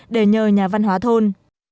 để nhờ nhà văn hóa thôn